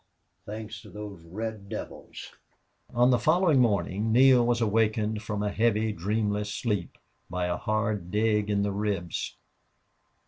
Thanks to those red devils!" On the following morning Neale was awakened from a heavy, dreamless sleep by a hard dig in the ribs.